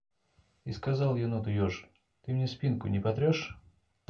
И сказал еноту еж: «Ты мне спинку не потрешь?»